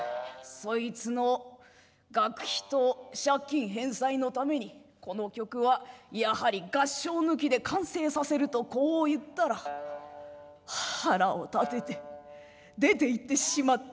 そいつの学費と借金返済のためにこの曲はやはり合唱抜きで完成させるとこう言ったら腹を立てて出ていってしまったんだよ。